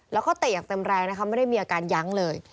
แล้วก็เตะอย่างเต็มแรงนะคะไม่ได้มีอาการยั้งเลย